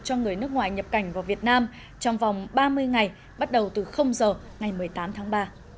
cho người nước ngoài nhập cảnh vào việt nam trong vòng ba mươi ngày bắt đầu từ giờ ngày một mươi tám tháng ba